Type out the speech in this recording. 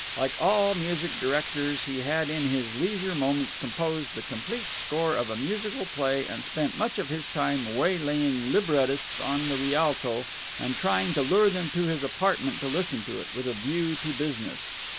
Like all musical directors he had in his leisure moments composed the complete score of a musical play and spent much of his time waylaying librettists on the Rialto and trying to lure them to his apartment to listen to it, with a view to business.